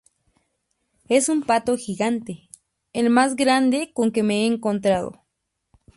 Es un pato gigante, el más grande con que me he encontrado.